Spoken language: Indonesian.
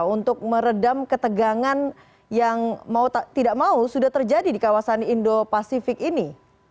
untuk meredam ketegangan yang mau tidak mau sudah terjadi di kawasan indo pasifik ini